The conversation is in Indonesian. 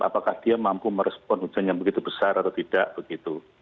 apakah dia mampu merespon hujan yang begitu besar atau tidak begitu